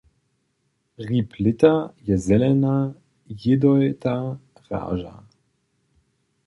Hrib lěta je zelena jědojta raža.